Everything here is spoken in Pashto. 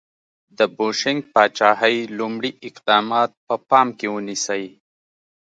د بوشنګ پاچاهۍ لومړي اقدامات په پام کې ونیسئ.